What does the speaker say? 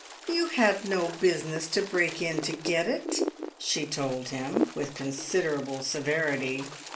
"You had no business to break in to get it," she told him, with considerable severity.